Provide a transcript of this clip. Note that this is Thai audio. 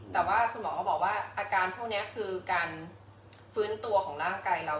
แต่ว่าคุณหมอก็บอกว่าอาการพวกนี้คือการฟื้นตัวของร่างกายเรา